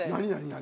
何？